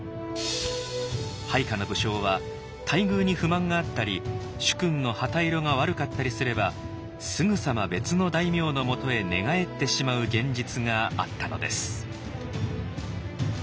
配下の武将は待遇に不満があったり主君の旗色が悪かったりすればすぐさま別の大名のもとへ寝返ってしまう現実があったのです。